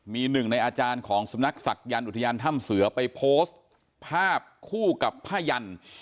มีหนึ่งในอาจารย์ของสำนักศักยันต์อุทยานถ้ำเสือไปโพสต์ภาพคู่กับผ้ายัน